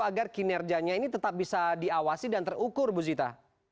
agar kinerjanya ini tetap bisa diawasi dan terukur bu zita